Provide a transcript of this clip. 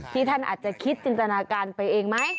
ที่ท่านอาจจะคิดจินตนาการไปเองไหม